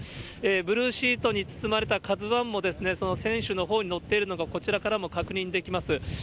ブルーシートに包まれたＫＡＺＵＩも、その船首のほうに載っているのがこちらからも確認できます。